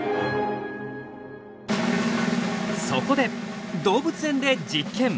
そこで動物園で実験！